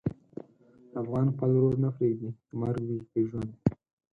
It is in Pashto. افغان خپل ورور نه پرېږدي، که مرګ وي که ژوند.